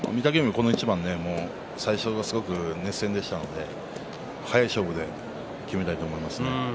この一番最初がすごく熱戦でしたので速い勝負できめたいと思いますね。